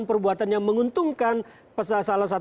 pejabat negara tadi